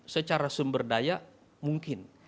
secara sumber daya mungkin